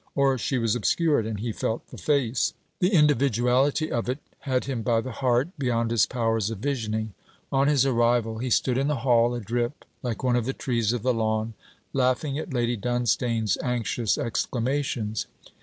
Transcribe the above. Or she was obscured, and he felt the face. The individuality of it had him by the heart, beyond his powers of visioning. On his arrival, he stood in the hall, adrip like one of the trees of the lawn, laughing at Lady Dunstane's anxious exclamations.